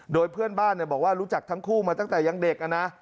โดยเพื่อนบ้านบอกว่ารู้จักทั้งคู่มาตั้งแต่ยังเด็กนะ